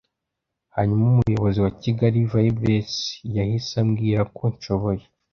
hanyuma umuyobozi wa kigali vibrates yahise ambwira ko nshoboye